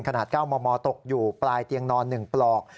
๙มมตกอยู่ปลายเตียงนอน๑ปลอก